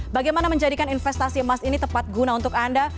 bagaimana menjadikan investasi emas ini tepat guna untuk anda